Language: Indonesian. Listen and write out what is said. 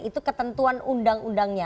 itu ketentuan undang undangnya